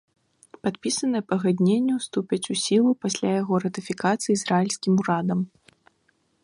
Падпісанае пагадненне ўступіць у сілу пасля яго ратыфікацыі ізраільскім урадам.